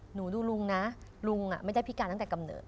หนูดูลุงนะลุงไม่ได้พิการตั้งแต่กำเนิด